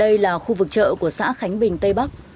đây là khu vực chợ của xã khánh bình tây bắc